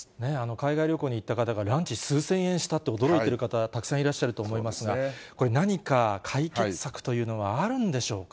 海外旅行に行った方が、ランチ数千円したと驚いてる方、たくさんいらっしゃると思いますが、これ、何か解決策というのはあるんでしょうか。